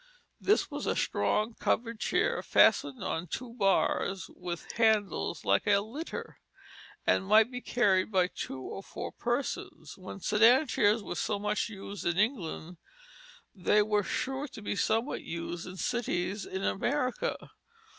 This was a strong covered chair fastened on two bars with handles like a litter, and might be carried by two or four persons. When sedan chairs were so much used in England, they were sure to be somewhat used in cities in America.